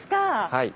はい。